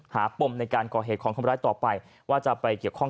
ปมในการก่อเหตุของคนร้ายต่อไปว่าจะไปเกี่ยวข้อง